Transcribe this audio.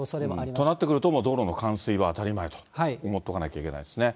となってくると、道路の冠水は当たり前と思っておかないといけないですね。